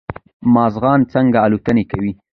مارغان څنګه الوتنې کوی